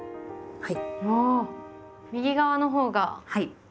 はい。